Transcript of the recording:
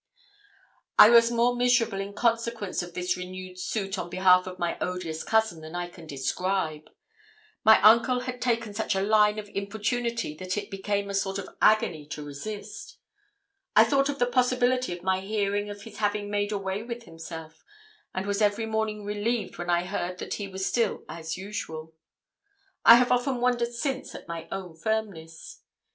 I was more miserable in consequence of this renewed suit on behalf of my odious cousin than I can describe. My uncle had taken such a line of importunity that it became a sort of agony to resist. I thought of the possibility of my hearing of his having made away with himself, and was every morning relieved when I heard that he was still as usual. I have often wondered since at my own firmness.